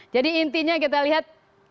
jadi intinya kita lihat